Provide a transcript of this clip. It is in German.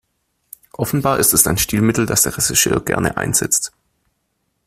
Offenbar ist es ein Stilmittel, das der Regisseur gerne einsetzt.